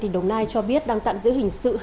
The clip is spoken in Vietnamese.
tỉnh đồng nai cho biết đang tạm giữ hình sự